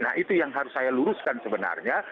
nah itu yang harus saya luruskan sebenarnya